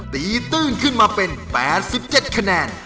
ตื้นขึ้นมาเป็น๘๗คะแนน